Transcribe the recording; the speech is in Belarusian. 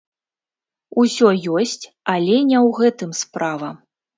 Усё ёсць, але не ў гэтым справа.